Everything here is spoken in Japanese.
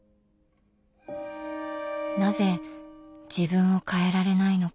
なぜ自分を変えられないのか。